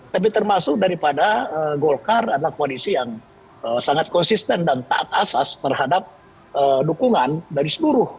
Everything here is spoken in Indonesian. tapi termasuk daripada golkar adalah koalisi yang sangat konsisten dan taat asas terhadap dukungan dari seluruh